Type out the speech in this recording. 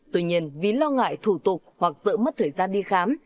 tuy nhiên vì lo ngại thủ tục hoặc dỡ mất thời gian đi khám